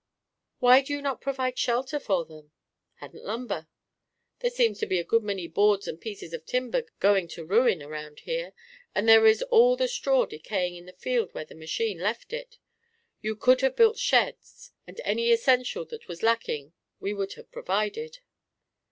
"Why did you not provide shelter for them?" "Hadn't lumber." "There seems to be a good many boards and pieces of timber going to ruin around here, and there is all the straw decaying in the field where the machine left it. You could have built sheds, and any essential that was lacking we would have provided."